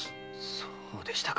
そうでしたか。